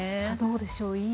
さあどうでしょう。